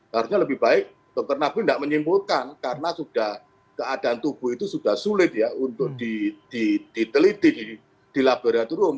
harusnya lebih baik dokter nabil tidak menyimpulkan karena sudah keadaan tubuh itu sudah sulit ya untuk diteliti di laboratorium